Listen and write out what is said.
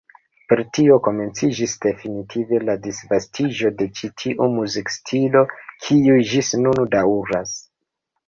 Per tio komenciĝis definitive la disvastiĝo de ĉi tiu muzikstilo, kiu ĝis nun daŭras.